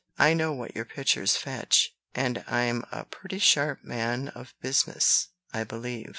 I know what your pictures fetch; and I'm a pretty sharp man of business, I believe.